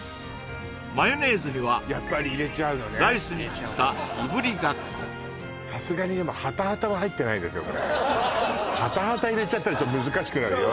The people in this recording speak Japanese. マヨネーズにはダイスに切ったいぶりがっこさすがにハタハタ入れちゃったら難しくなるよ